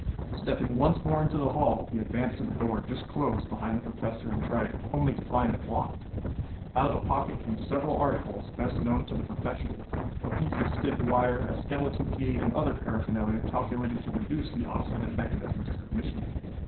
Stepping once more into the hall he advanced to the door just closed behind the Professor and tried it, only to find it locked. Out of a pocket came several articles best known to the "profession" a piece of stiff wire, a skeleton key and other paraphernalia calculated to reduce the obstinate mechanism to submission.